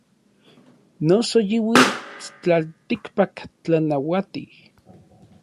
Noso yi uits n tlaltikpak tlanauatij.